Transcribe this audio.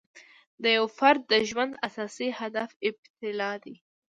د یو فرد د ژوند اساسي هدف ابتلأ دی.